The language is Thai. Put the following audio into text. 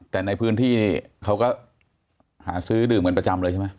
แต่ในพื้นที่นี่เขาก็หาซื้อดื่มกันประจำเลยใช่ไหม